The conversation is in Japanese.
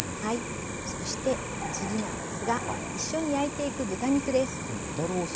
そして次なんですが一緒に焼いていく豚肉です。